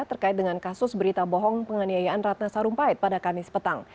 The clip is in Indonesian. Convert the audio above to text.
terkait dengan kasus berita bohong penganiayaan ratna sarumpait pada kamis petang